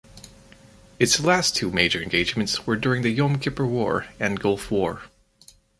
Its last two major engagements were during the Yom Kippur War and Gulf War.